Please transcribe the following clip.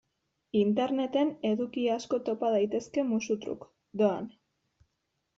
Interneten eduki asko topa daitezke musu-truk, doan.